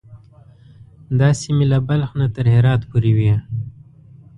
دا سیمې له بلخ نه تر هرات پورې وې.